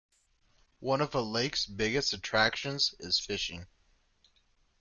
One of the lake's biggest attractions is fishing.